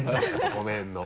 この辺の。